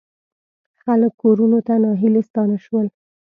خلک کورونو ته ناهیلي ستانه شول.